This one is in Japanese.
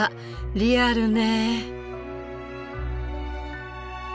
リアルね。